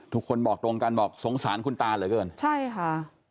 ทุกคนบอกตรงกันบอกสงสารคุณตาเหลือเกินใช่ค่ะ